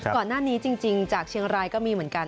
ก่อนหน้านี้จริงจากเชียงรายก็มีเหมือนกัน